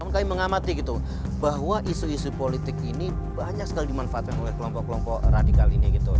kami mengamati gitu bahwa isu isu politik ini banyak sekali dimanfaatkan oleh kelompok kelompok radikal ini gitu